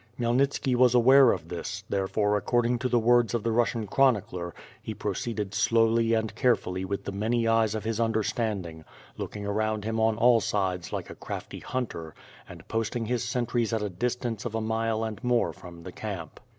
Khmyelnitski was aware of this; therefore according to the words of the Russian chronicler, he proceeded slowly and carefully with the many eyes of his understanding, looking around him on all sides like a crafty hunter, and posting his sentries at a distance of a mile and more from the camp.